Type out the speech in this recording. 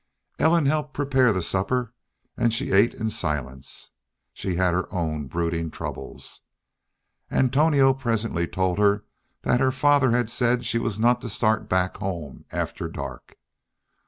Ellen helped prepare the supper and she ate in silence. She had her own brooding troubles. Antonio presently told her that her father had said she was not to start back home after dark.